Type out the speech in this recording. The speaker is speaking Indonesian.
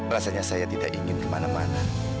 rasanya saya tidak ingin kemana mana